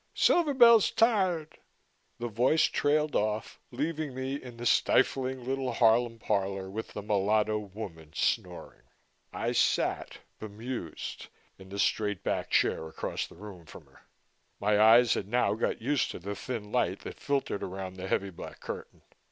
"Silver Bell's tired." The voice trailed off, leaving me in the stifling little Harlem parlor with the mulatto woman snoring. I sat, bemused, in the straight back chair across the room from her. My eyes had now got used to the thin light that filtered around the heavy black curtain.